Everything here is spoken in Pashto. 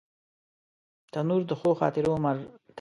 تنور د ښو خاطرو مرکز دی